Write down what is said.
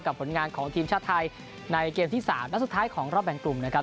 ผลงานของทีมชาติไทยในเกมที่๓นัดสุดท้ายของรอบแบ่งกลุ่มนะครับ